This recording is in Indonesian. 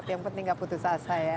yang penting gak putus asa ya